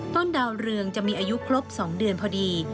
ดาวเรืองจะมีอายุครบ๒เดือนพอดี